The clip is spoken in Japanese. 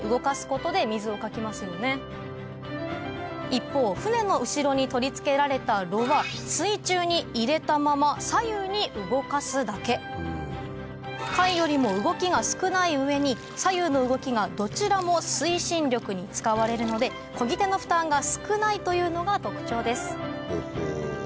一方舟の後ろに取り付けられた櫓は櫂よりも動きが少ない上に左右の動きがどちらも推進力に使われるので漕ぎ手の負担が少ないというのが特徴です